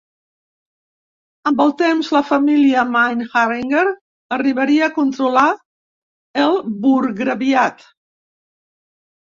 Amb el temps, la família Meinheringer arribaria a controlar el burgraviat.